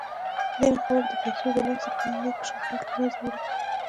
ځینې خلک د پیسو د لاسه خپل نیک شهرت له منځه وړي.